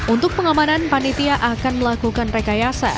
untuk pengamanan panitia akan melakukan rekayasa